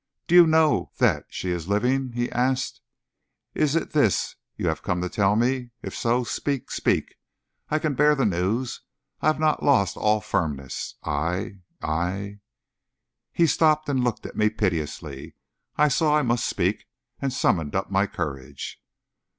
"Do you know that she is living?" he asked. "Is it this you have come to tell me? If so, speak, speak! I can bear the news. I have not lost all firmness. I I " He stopped and looked at me piteously. I saw I must speak, and summoned up my courage.